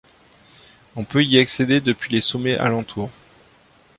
On peut y accéder depuis les sommets alentour.